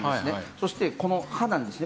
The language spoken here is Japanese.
そしてこの歯なんですね